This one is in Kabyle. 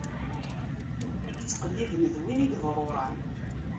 I yettqelliben, d win iḍṛuṛan.